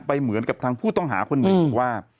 เหมือนกับทางผู้ต้องหาคนหนึ่งบอกว่า